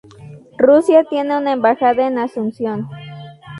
Rusia tiene una embajada en Asunción.